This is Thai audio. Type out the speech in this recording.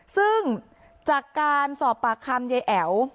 ซึ่งจากการสอบปากคำยายแอ๋ว